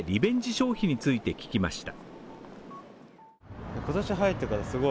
消費について聞きました。